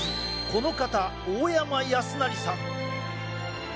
この方、大山泰成さん。